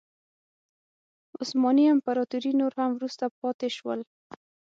عثماني امپراتوري نور هم وروسته پاتې شول.